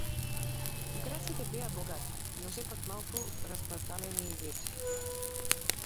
Украсите беа богати, но сепак малку распарталени и ветви.